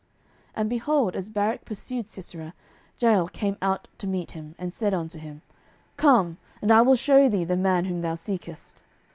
07:004:022 And, behold, as Barak pursued Sisera, Jael came out to meet him, and said unto him, Come, and I will shew thee the man whom thou seekest.